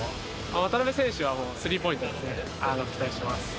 渡邊選手はスリーポイントですね、期待してます。